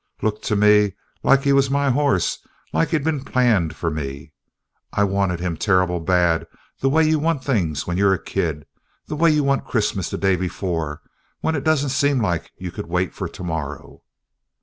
"Looked to me like he was my hoss. Like he'd been planned for me. I wanted him terrible bad, the way you want things when you're a kid the way you want Christmas the day before, when it don't seem like you could wait for tomorrow."